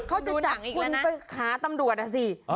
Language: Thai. เขาจะจับคุณไปหาตำรวจอ่ะสิ